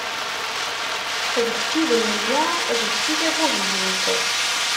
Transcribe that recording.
D kečč i d nniya, d kečč i d abuheyyuf.